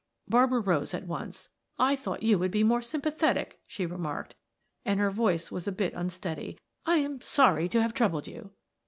Barbara rose at once. "I thought you would be more sympathetic," she remarked, and her voice was a bit unsteady. "I am sorry to have troubled you."